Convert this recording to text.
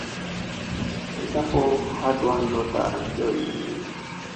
The couple had one daughter, Joie.